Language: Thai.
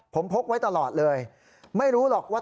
ผมพกไว้ตลอดเลยไม่รู้หรอกว่า